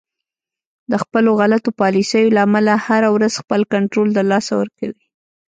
د خپلو غلطو پالیسیو له امله هر ورځ خپل کنترول د لاسه ورکوي